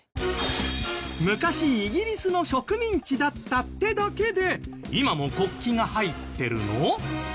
昔イギリスの植民地だったってだけで今も国旗が入ってるの？